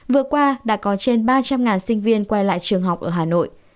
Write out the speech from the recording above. vừa qua đã có trên ba trăm linh sinh viên quay lại trường học ở hà nội